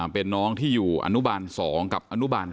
เป็นน้องที่อยู่อนุบาล๒กับอนุบาล๓